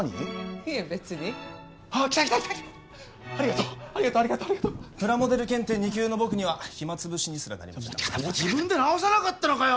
いえべつにああ来た来たありがとうありがとうプラモデル検定２級の僕には暇つぶしにすらならなかった自分で直さなかったのかよ！